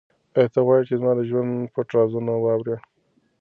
آیا ته غواړې چې زما د ژوند پټ رازونه واورې؟